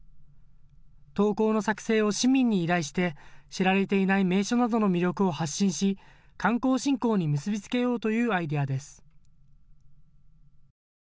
投稿の作成を市民に依頼して知られていない名所などの魅力を発信し、観光振興に結び付けようというアイデアです。